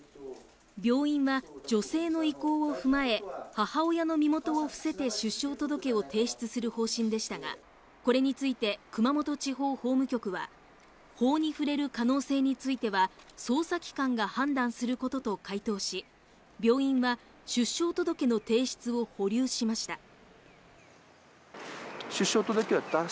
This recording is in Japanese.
病院は女性の意向を踏まえ母親の身元を伏せて出生届を提出する方針でしたがこれについて熊本地方法務局は法に触れる可能性については捜査機関が判断することと回答し病院は出生届の提出を保留しました